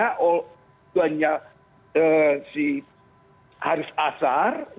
tujuannya si haris asar